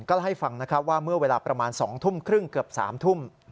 ก็ให้ฟังว่าเมื่อเวลาประมาณ๒ทุ่มครึ่งเกือบ๓ทุ่ม